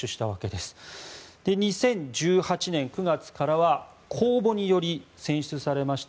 で、２０１８年９月からは公募により選出されました